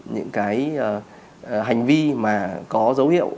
những hành vi có dấu hiệu